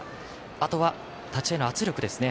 あとは立ち合いの圧力ですね。